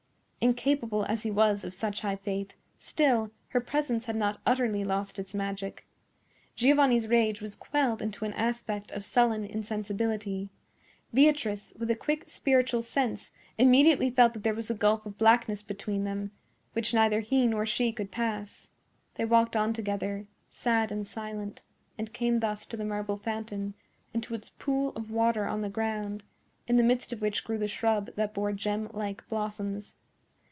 Incapable as he was of such high faith, still her presence had not utterly lost its magic. Giovanni's rage was quelled into an aspect of sullen insensibility. Beatrice, with a quick spiritual sense, immediately felt that there was a gulf of blackness between them which neither he nor she could pass. They walked on together, sad and silent, and came thus to the marble fountain and to its pool of water on the ground, in the midst of which grew the shrub that bore gem like blossoms.